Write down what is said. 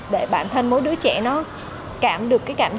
để bản thân mỗi đứa trẻ nó cảm được cái cảm